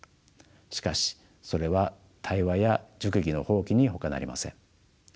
しかしそれは対話や熟議の放棄にほかなりません。